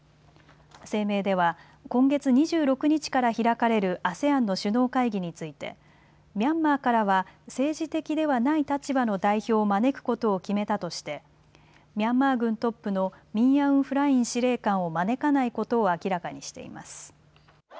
声明では今月２６日から開かれるＡＳＥＡＮの首脳会議についてミャンマーからは政治的ではない立場の代表を招くことを決めたとしてミャンマー軍トップのミン・アウン・フライン司令官を招かないことを明らかにしています。